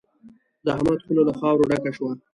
د احمد خوله له خاورو ډکه شوه.